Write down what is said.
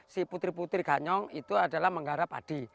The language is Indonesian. si putri putri ganyong itu adalah menggarap padi